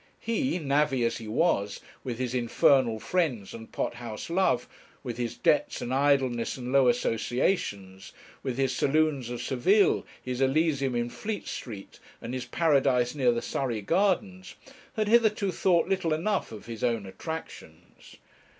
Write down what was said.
He, navvy as he was, with his infernal friends and pot house love, with his debts and idleness and low associations, with his saloons of Seville, his Elysium in Fleet Street, and his Paradise near the Surrey Gardens, had hitherto thought little enough of his own attractions.